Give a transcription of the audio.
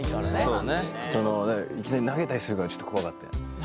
そのいきなり投げたりするからちょっと怖かったね。